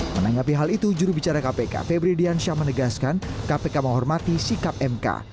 menanggapi hal itu jurubicara kpk febri diansyah menegaskan kpk menghormati sikap mk